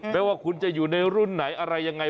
ไม่ว่าคุณจะอยู่ในรุ่นไหนอะไรยังไง